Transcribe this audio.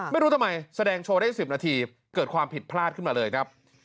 ไม่รู้ทำไมแสดงโชว์ได้๑๐นาทีเกิดความผิดพลาดขึ้นมาเลยครับ